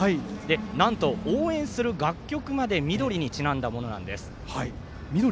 なんと、応援する楽曲まで緑にちなんだものなんです。